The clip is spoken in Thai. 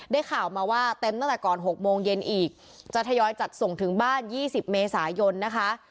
ได้ข่าวมาว่าเต็มตั้งแต่ก่อน๖โมงเย็นอีกจะทยอยจัดส่งถึงบ้าน๒๐เมษายนนะคะ